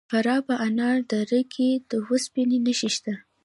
د فراه په انار دره کې د وسپنې نښې شته.